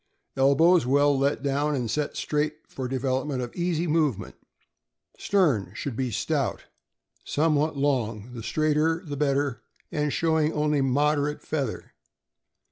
Elbows well let down and set straight, for development of easy movement. Stern. — Should be stout, somewhat long — the straighter the better — and showing only moderate feather.